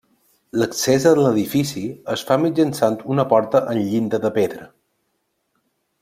L'accés a l'edifici es fa mitjançant una porta amb llinda de pedra.